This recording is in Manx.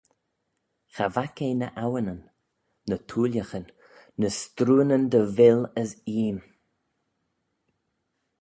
Cha vaik eh ny awinyn, ny thooillaghyn, ny strooanyn dy vill as eeym.